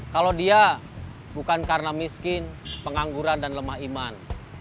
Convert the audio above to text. kalau dia bukan karena miskin pengangguran dan lemah iman